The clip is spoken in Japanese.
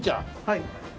はい。